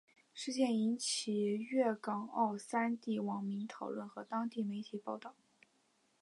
事件引起粤港澳三地网民讨论和当地媒体报导。